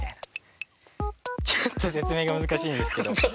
ちょっと説明が難しいんですけど。